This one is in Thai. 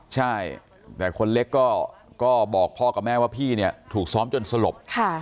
ใช่แต่คนเล็กก็บอกพ่อกับแม่ว่าพี่เนี่ยถูกซ้อมจนสลบ